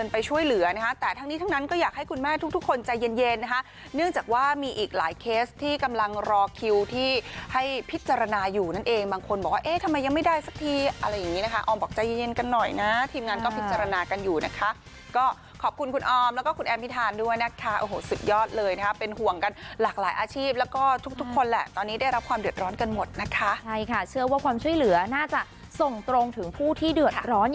พิจารณาอยู่นั่นเองบางคนบอกว่าทำไมยังไม่ได้สักทีอะไรอย่างนี้นะคะออมบอกใจเย็นกันหน่อยนะทีมงานก็พิจารณากันอยู่นะคะก็ขอบคุณคุณออมแล้วก็คุณแอมพิธานด้วยนะคะสุดยอดเลยนะฮะเป็นห่วงกันหลากหลายอาชีพแล้วก็ทุกคนแหละตอนนี้ได้รับความเดือดร้อนกันหมดนะคะใช่ค่ะเชื่อว่าความช่วยเหลือน่าจะส่งตรงถึงผู้ที่เด